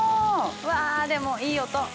うわでもいい音！